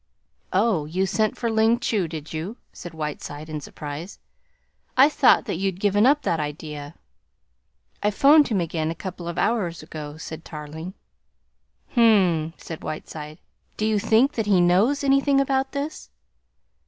"Oh, you sent for Ling Chu, did you?" said Whiteside in surprise. "I thought that you'd given up that idea." "I 'phoned again a couple of hours ago," said Tarling. "H'm!" said Whiteside. "Do you think that he knows anything about this?"